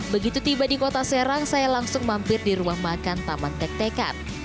begitu tiba di kota serang saya langsung mampir di rumah makan taman tek tekan